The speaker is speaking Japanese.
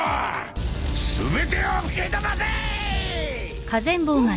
全てを吹き飛ばせい！